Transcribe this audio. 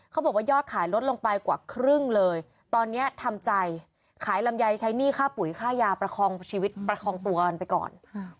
บอกว่ายอดขายลดลงไปกว่าครึ่งเลยตอนนี้ทำใจขายลำไยใช้หนี้ค่าปุ๋ยค่ายาประคองชีวิตประคองตัวกันไปก่อน